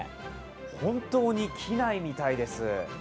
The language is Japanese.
本当に機内みたいです。